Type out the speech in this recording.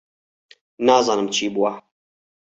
نازانم چی بووە.